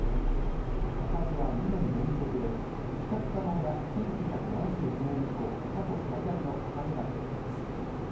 赤字は２年連続で比較可能な１９７９年以降、過去最大の赤字額となります。